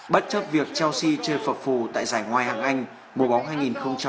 bất chấp việc chelsea chơi phập phù tại giải ngoài hàng anh mùa bóng hai nghìn một mươi bảy hai nghìn một mươi tám